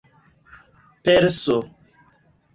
perso